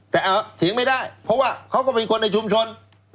แต่เอาเสียงไม่ได้เพราะว่าเขาก็เป็นคนในชุมชน